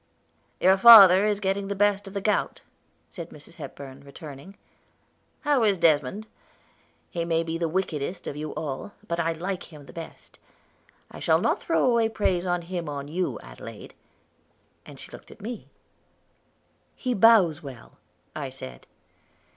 "Your father is getting the best of the gout," said Mrs. Hepburn, returning. "How is Desmond? He may be the wickedest of you all, but I like him the best. I shall not throw away praise of him on you, Adelaide." And she looked at me. "He bows well," I said.